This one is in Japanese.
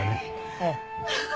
ええ。